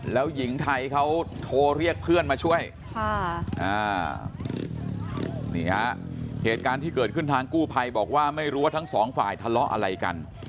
แล้วหญิงไทยเขาโทรเรียกเพื่อนมาช่วยนี่ฮะเหตุการณ์ที่เกิดขึ้นทางกู้ภัยบอกว่าไม่รู้ว่าทั้งสองฝ่ายทะเลาะอะไรกัน